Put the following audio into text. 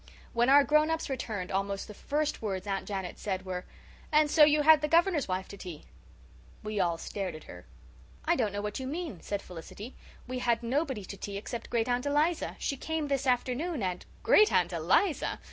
When our grown ups returned almost the first words Aunt Janet said were, "And so you had the Governor's wife to tea?" We all stared at her. "I don't know what you mean," said Felicity. "We had nobody to tea except Great aunt Eliza. She came this afternoon and " "Great aunt Eliza?